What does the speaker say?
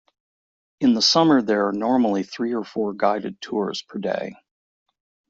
In the summer there are normally three or four guided tours per day.